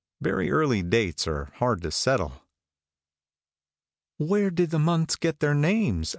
Very early dates are hard to settle." "Where did the months get their names?"